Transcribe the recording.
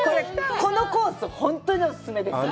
このコース、本当にお勧めです。